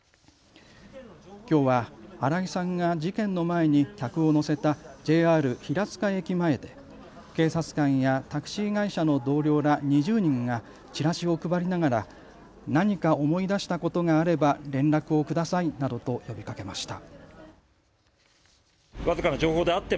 きょうは荒井さんが事件の前に客を乗せたＪＲ平塚駅前で警察官やタクシー会社の同僚ら２０人がチラシを配りながら何か思い出したことがあれば連絡をくださいなどと呼びかけました。